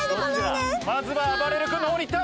まずはあばれる君の方に行った。